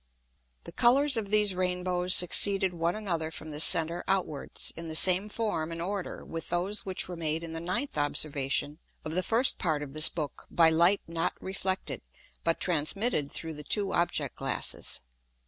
The Colours of these Rain bows succeeded one another from the center outwards, in the same form and order with those which were made in the ninth Observation of the first Part of this Book by Light not reflected, but transmitted through the two Object glasses.